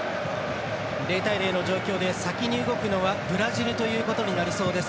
０対０の状況で先に動くのはブラジルということになりそうです。